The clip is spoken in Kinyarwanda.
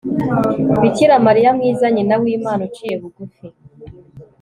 Bikira Mariya mwiza nyina wImana uciye bugufi